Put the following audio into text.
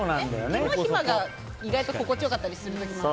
手間暇が意外と心地よかったりする。